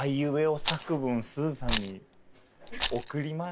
すずさんに贈ります？